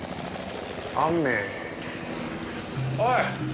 おい！